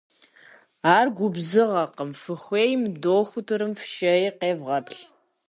Ар губзыгъэкъым, фыхуейм дохутырым фшэи къевгъэплъ.